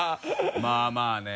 まあまあね。